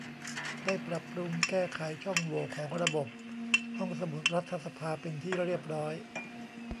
ได้ปรับปรุงแก้ไขช่องโหว่ของระบบห้องสมุดรัฐสภาเป็นที่เรียบร้อย